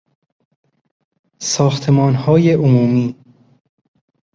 ساختمانهای عمومی